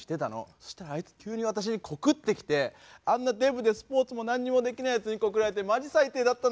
そしたらあいつ急に私に告ってきてあんなデブでスポーツも何にもできないやつに告られてマジ最低だったんだけど。